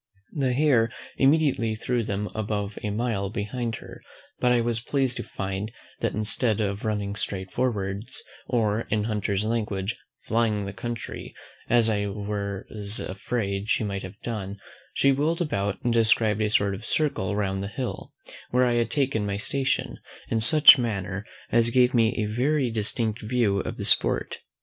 The hare immediately threw them above a mile behind her; but I was pleased to find, that instead of running straight forwards, or, in hunter's language, FLYING THE COUNTRY, as I was afraid she might have done, she wheel'd about, and described a sort of circle round the hill where I had taken my station, in such manner as gave me a very distinct view of the sport.